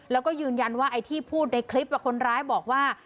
แล้วก็ยืนยันว่าไอ้ที่พูดในคลิปคนร้ายบอกว่า